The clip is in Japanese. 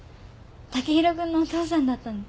剛洋君のお父さんだったんだ。